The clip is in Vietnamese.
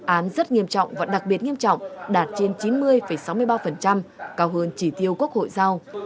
án rất nghiêm trọng và đặc biệt nghiêm trọng đạt trên chín mươi sáu mươi ba cao hơn chỉ tiêu quốc hội giao